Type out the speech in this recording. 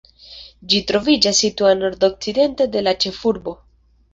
Ĝi troviĝas situa nordokcidente de la ĉefurbo.